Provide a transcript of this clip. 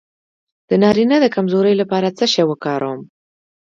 د نارینه د کمزوری لپاره څه شی وکاروم؟